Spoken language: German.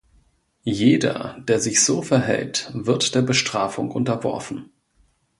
Jeder, der sich so verhält, wird der Bestrafung unterworfen.